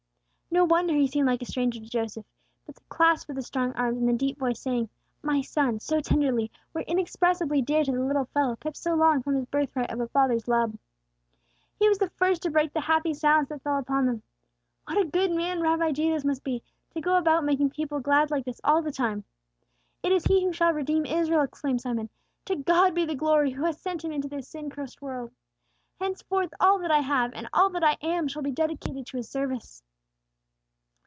No wonder he seemed like a stranger to Joseph. But the clasp of the strong arms, and the deep voice saying "my son," so tenderly, were inexpressibly dear to the little fellow kept so long from his birthright of a father's love. He was the first to break the happy silence that fell upon them. "What a good man Rabbi Jesus must be, to go about making people glad like this all the time!" "It is He who shall redeem Israel!" exclaimed Simon. "To God be the glory, who hath sent Him into this sin cursed world! Henceforth all that I have, and all that I am, shall be dedicated to His service!"